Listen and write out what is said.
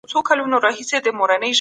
ولي مدني حقونه په قانون کي شامل دي؟